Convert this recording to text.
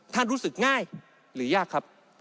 รู้สึกง่ายหรือยากครับ